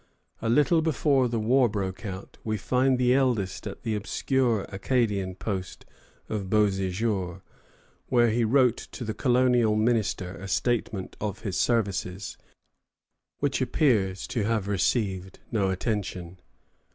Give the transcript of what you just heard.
A little before the war broke out, we find the eldest at the obscure Acadian post of Beauséjour, where he wrote to the colonial minister a statement of his services, which appears to have received no attention.